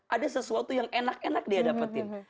ada sesuatu yang enak enak dia dapetin